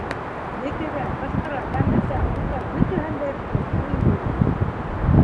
Екерә, ҡысҡыра, кәмһетә, хурлай, бөтәһен дә эшләй, һөймәй генә.